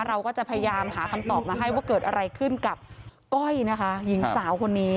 เราก็จะพยายามหาคำตอบมาให้ว่าเกิดอะไรขึ้นกับก้อยนะคะหญิงสาวคนนี้